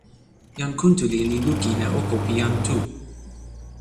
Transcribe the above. jan Kuntuli li lukin e oko pi jan Tu.